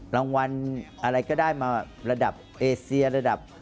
รางวัลอะไรก็ได้มาระดับเอเซียระดับ